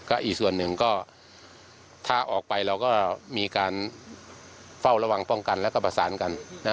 ก็อีกส่วนหนึ่งก็ถ้าออกไปเราก็มีการเฝ้าระวังป้องกันแล้วก็ประสานกัน